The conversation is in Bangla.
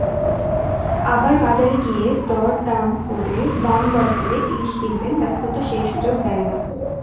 আবার বাজারে গিয়ে দাম-দর করে ইলিশ কিনবেন, ব্যস্ততা সেই সুযোগ দেয় না।